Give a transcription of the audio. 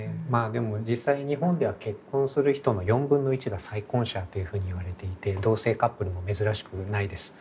でも実際日本では結婚する人の４分の１が再婚者というふうにいわれていて同性カップルも珍しくないです。